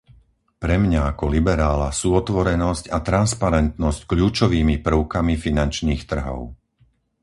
Pre mňa ako liberála sú otvorenosť a transparentnosť kľúčovými prvkami finančných trhov.